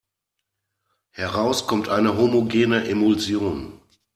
Heraus kommt eine homogene Emulsion.